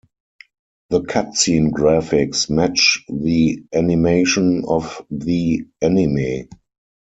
The cutscene graphics match the animation of the anime.